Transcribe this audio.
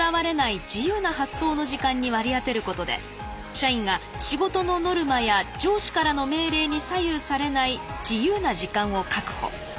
社員が仕事のノルマや上司からの命令に左右されない自由な時間を確保。